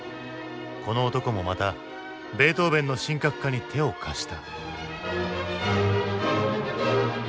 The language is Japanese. この男もまたベートーヴェンの神格化に手を貸した。